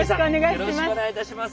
よろしくお願いします。